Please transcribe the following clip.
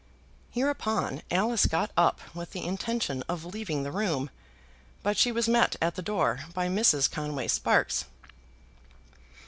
Hereupon Alice got up with the intention of leaving the room, but she was met at the door by Mrs. Conway Sparkes.